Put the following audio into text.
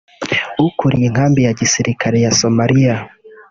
ukuriye inkambi ya gisirikare ya Somalia